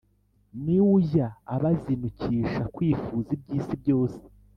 ni w' ujya abazinukisha kwifuza i by'isi byose,